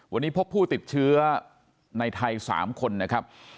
วันนี้พบผู้ติดเชื้อในไทย๓คนนะครับ